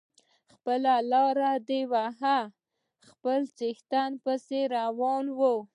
ده خپله لاره وهله د خپل څښتن پسې روان و.